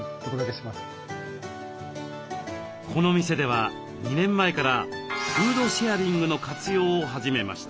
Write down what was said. この店では２年前からフードシェアリングの活用を始めました。